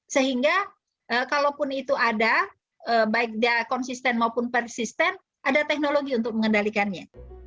sehingga kalaupun itu ada baik dia konsisten maupun persisten ada teknologi untuk mengendalikannya